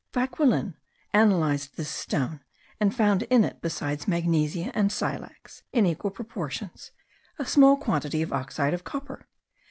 Vauquelin analysed this stone, and found in it, beside magnesia and silex in equal portions, a small quantity of oxide of copper.